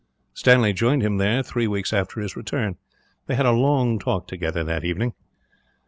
Stanley joined him there, three weeks after his return. They had a long talk together, that evening.